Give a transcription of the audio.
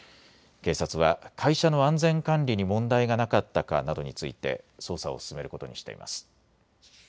警察は会社の安全管理に問題がなかったかなどについて捜査を進めることにしています。